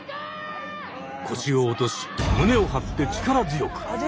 腰を落とし胸を張って力強く。